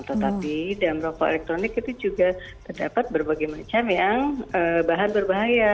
tetapi dalam rokok elektronik itu juga terdapat berbagai macam yang bahan berbahaya